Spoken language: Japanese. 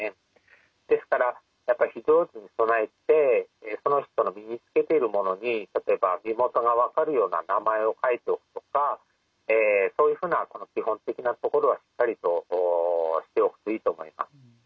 ですからやっぱり非常時に備えてその人の身に着けているものに例えば身元が分かるような名前を書いておくとかそういうふうな基本的なところはしっかりとしておくといいと思います。